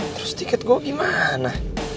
terus tiket gue gimana